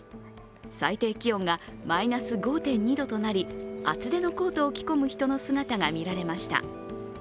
最低気温がマイナス５．２度となり厚手のコートを着込む人の姿が見られました。